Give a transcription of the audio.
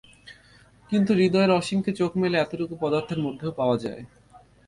কিন্তু হৃদয়ের অসীমকে চোখ মেলে এতটুকু পদার্থের মধ্যেও পাওয়া যায়।